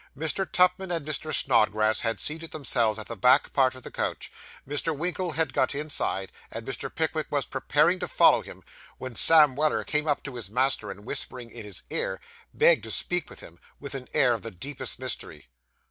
Mr. Tupman and Mr. Snodgrass had seated themselves at the back part of the coach; Mr. Winkle had got inside; and Mr. Pickwick was preparing to follow him, when Sam Weller came up to his master, and whispering in his ear, begged to speak to him, with an air of the deepest mystery.